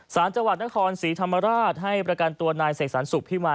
สารจังหวัดนครศรีธรรมราชให้ประกันตัวนายเสกสรรสุขพิมาย